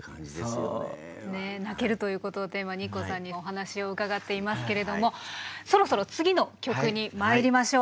ね「泣ける」ということをテーマにＩＫＫＯさんにお話を伺っていますけれどもそろそろ次の曲にまいりましょう。